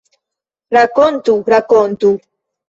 Rakontu, rakontu!